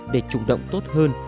để chủng động tốt hơn